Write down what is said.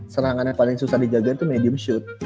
serangannya paling susah dijaga itu medium shoot